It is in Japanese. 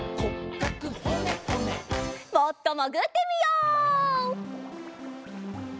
もっともぐってみよう！